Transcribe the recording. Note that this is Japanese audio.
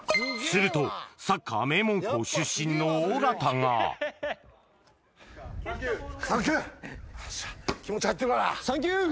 するとサッカー名門校出身の尾形がサンキュー。